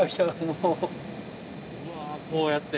うわこうやって。